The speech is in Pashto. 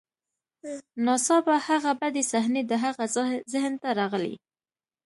ناڅاپه هغه بدې صحنې د هغه ذهن ته راغلې